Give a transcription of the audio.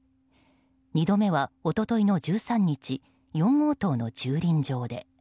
２度目は、一昨日の１３日４号棟の駐輪場で。